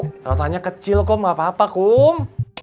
kalau tanya kecil kok nggak apa apa kum